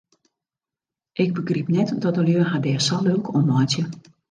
Ik begryp net dat de lju har dêr sa lilk om meitsje.